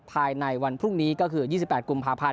ภายในวันพรุ่งนี้ก็คือ๒๘กุมภาพันธ